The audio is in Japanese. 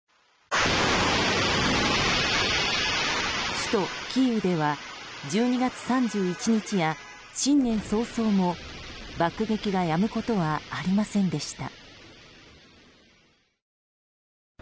首都キーウでは１２月３１日や新年早々も爆撃がやむことはありませんでした。